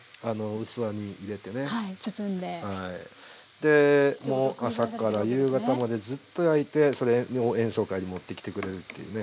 でもう朝から夕方までずっと焼いてそれを演奏会に持ってきてくれるっていうね。